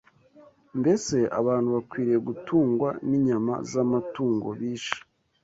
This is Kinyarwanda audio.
Mbese abantu bakwiriye gutungwa n’inyama z’amatungo bishe?